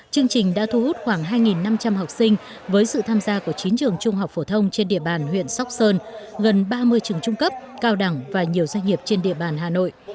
chương trình đã thu hút khoảng hai năm trăm linh học sinh với sự tham gia của chín trường trung học phổ thông trên địa bàn huyện sóc sơn gần ba mươi trường trung cấp cao đẳng và nhiều doanh nghiệp trên địa bàn hà nội